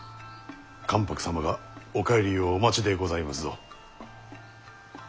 関白様がお帰りをお待ちでございますぞ。